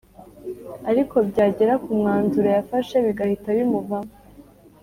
ariko byagera kumwanzuro yafashe bigahita bimuvamo